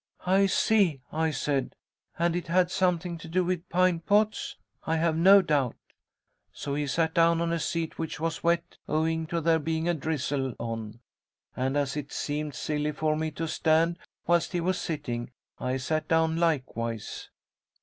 'I see,' I said, 'and it had something to do with pint pots, I have no doubt.' So he sat down on a seat, which was wet, owing to there being a drizzle on, and as it seemed silly for me to stand whilst he was sitting, I sat down likewise.